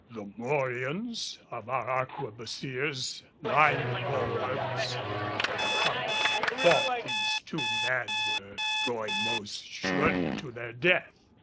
The morions of our arquebusiers lined the bulwarks, for the company thought these two men were going most surely to their death.